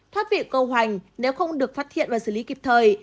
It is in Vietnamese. thoát vị câu hoành nếu không được phát hiện và xử lý kịp thời